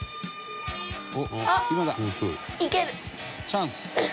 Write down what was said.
「チャンス」